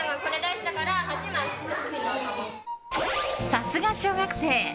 さすが小学生！